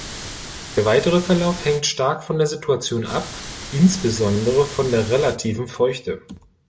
Der weitere Verlauf hängt stark von der Situation ab, insbesondere von der relativen Feuchte.